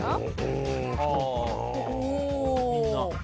みんな。